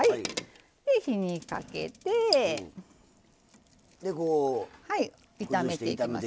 火にかけて炒めていきます。